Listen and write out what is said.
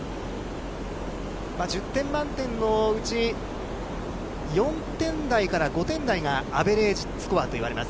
１０点満点のうち、４点台から５点台がアベレージスコアといわれます。